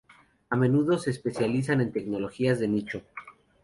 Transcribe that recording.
A menudo se especializan en tecnologías de nicho.